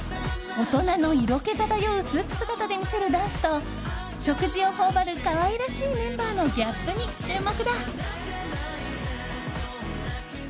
大人の色気漂うスーツ姿で見せるダンスと食事を頬張る、可愛らしいメンバーのギャップに注目だ。